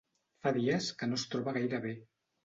Fa dies que no es troba gaire bé.